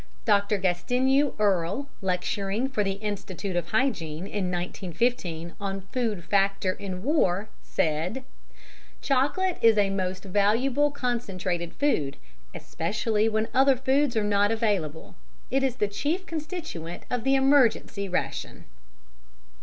Dr. Gastineau Earle, lecturing for the Institute of Hygiene in 1915 on "Food Factor in War," said: "Chocolate is a most valuable concentrated food, especially when other foods are not available; it is the chief constituent of the emergency ration."